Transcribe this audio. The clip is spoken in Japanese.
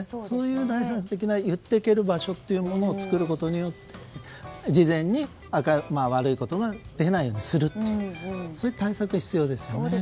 そういう第三者的な言っていける場所を作ることで事前に悪いことが出ないようにするという対策が必要ですね。